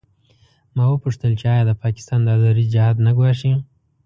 ما وپوښتل چې آیا د پاکستان دا دریځ جهاد نه ګواښي.